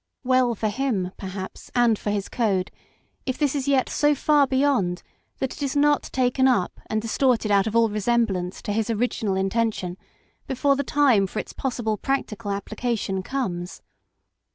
Well for him, perhaps, and for his code, if this is yet so far beyond that it is not taken up and distorted out of all resemblance to his original intention before the time for its possible practical application comes.